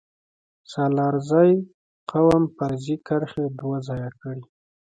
سلارزی قوم فرضي کرښې دوه ځايه کړي